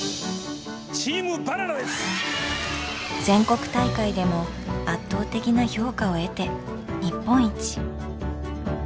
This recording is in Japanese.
全国大会でも圧倒的な評価を得て日本一。